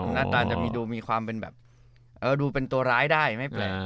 หน้าตาจะมีดูมีความเป็นแบบดูเป็นตัวร้ายได้ไม่แปลก